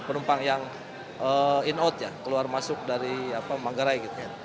empat puluh penumpang yang in out keluar masuk dari manggarai